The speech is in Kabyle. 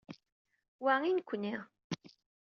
Wa i nekkni.